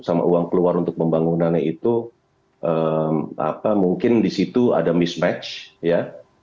sama uang keluar untuk pembangunannya itu mungkin di situ ada mismatch ya